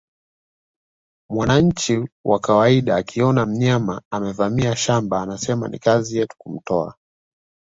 Mwananchi wa kawaida akiona mnyama amevamia shamba anasema ni kazi yetu kumtoa